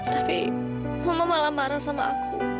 tapi mama malah marah sama aku